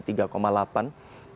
sekarang di tiga delapan